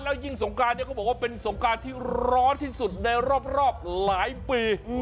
แล้วยิ่งสงการนี้ก็ถึงเป็นสงการที่ร้อนที่สุดในรอบหลายปี